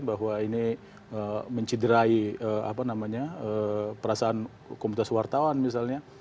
bahwa ini menciderai apa namanya perasaan komunitas wartawan misalnya